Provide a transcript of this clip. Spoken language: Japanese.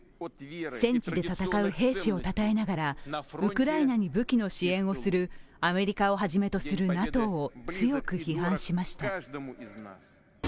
戦地で戦う兵士をたたえながら、ウクライナに武器の支援をするアメリカをはじめとするＮＡＴＯを強く批判しました。